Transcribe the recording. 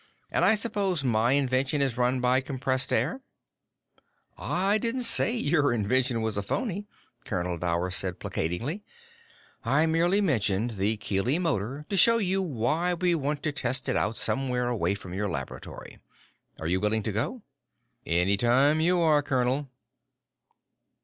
"And I suppose my invention is run by compressed air?" "I didn't say your invention was a phony," Colonel Dower said placatingly. "I merely mentioned the Keely Motor to show you why we want to test it out somewhere away from your laboratory. Are you willing to go?" "Any time you are, colonel."